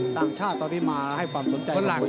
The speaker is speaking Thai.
ต่างชาติตอนนี้มาให้ความสนใจของมวยใหญ่มาก